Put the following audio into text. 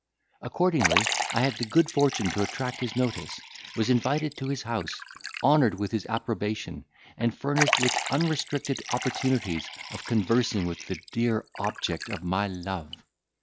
Accordingly I had the good fortune to attract his notice, was invited to his house, honoured with his approbation, and furnished with unrestricted opportunities of conversing with the dear object of my love.